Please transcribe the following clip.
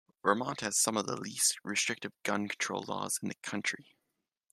Vermont has some of the least restrictive gun control laws in the country.